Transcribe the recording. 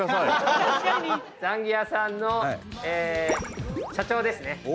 ザンギ屋さんの社長ですね。